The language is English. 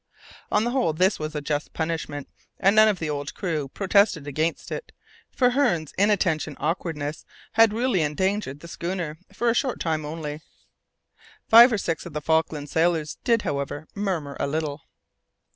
On the whole this was a just punishment, and none of the old crew protested against it, for Hearne's inattention or awkwardness had really endangered the schooner, though for a short time only. Five or six of the Falklands sailors did, however, murmur a little.